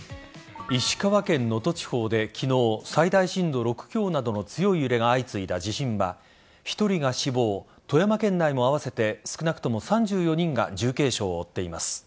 石川県能登地方で昨日最大震度６強などの強い揺れが相次いだ地震は１人が死亡富山県内も合わせて少なくとも３４人が重軽傷を負っています。